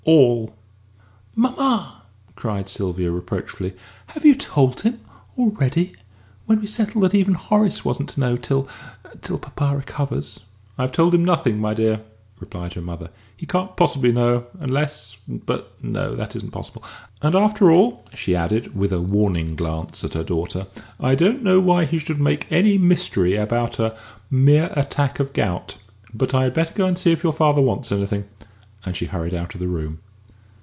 all!" "Mamma!" cried Sylvia, reproachfully, "have you told him already? When we settled that even Horace wasn't to know till till papa recovers!" "I have told him nothing, my dear," replied her mother. "He can't possibly know, unless but no, that isn't possible. And, after all," she added, with a warning glance at her daughter, "I don't know why we should make any mystery about a mere attack of gout. But I had better go and see if your father wants anything." And she hurried out of the room.